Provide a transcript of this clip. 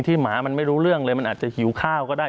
หมามันไม่รู้เรื่องเลยมันอาจจะหิวข้าวก็ได้